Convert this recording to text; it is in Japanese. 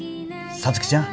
皐月ちゃん